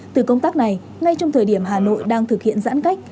từ công tác này ngay trong thời điểm hà nội đang thực hiện giãn cách